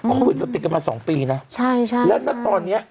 โควิดเราติดกันมาสองปีนะใช่ใช่แล้วถ้าตอนเนี้ย